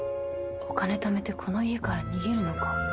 お金ためてこの家から逃げるのか。